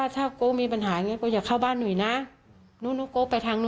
สร้างทาง